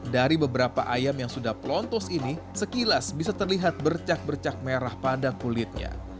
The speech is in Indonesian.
dari beberapa ayam yang sudah pelontos ini sekilas bisa terlihat bercak bercak merah pada kulitnya